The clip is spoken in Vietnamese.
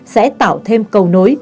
sẽ tạo thêm cầu nối